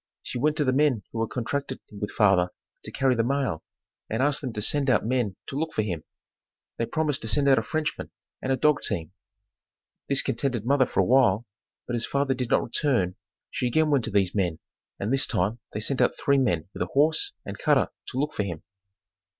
She went to the men who had contracted with father to carry the mail and asked them to send out men to look for him. They promised to send out a Frenchman, and a dog team. This contented mother for awhile, but as father did not return she again went to these men and this time they sent out three men with a horse and cutter to look for him.